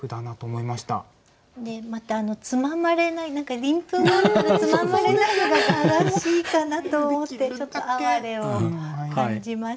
またつままれない鱗粉があるからつままれないのが蛾らしいかなと思ってちょっと哀れを感じました。